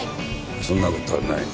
そんなことはない。